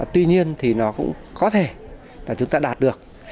tuy nhiên thì nó cũng có thể là chúng ta đạt được